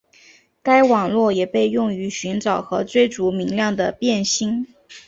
该网络也被用于寻找和追逐明亮的变星。